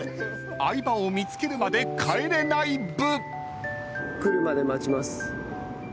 相葉を見つけるまで帰れない部。